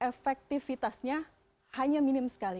efektifitasnya hanya minim sekali